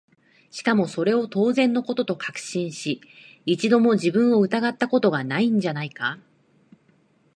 しかもそれを当然の事と確信し、一度も自分を疑った事が無いんじゃないか？